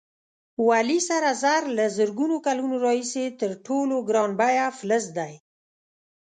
ولې سره زر له زرګونو کلونو راهیسې تر ټولو ګران بیه فلز دی؟